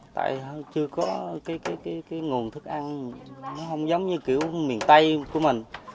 tại chưa có nguồn thức ăn nó không giống như kiểu miền tây của mình